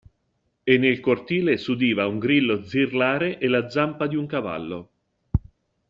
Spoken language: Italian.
E nel cortile s'udiva un grillo zirlare e la zampa d'un cavallo.